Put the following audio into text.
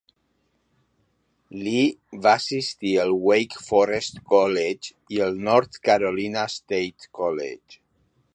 Lee va assistir al Wake Forest College i al North Carolina State College.